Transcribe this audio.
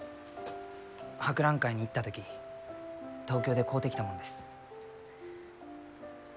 博覧会に行った時東京で買うてきたもんです。